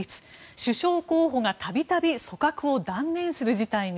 首相候補がたびたび組閣を断念する事態に。